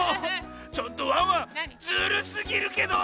ちょっとワンワンズルすぎるけど。